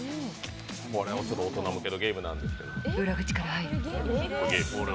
これは大人向けのゲームなんですけれども。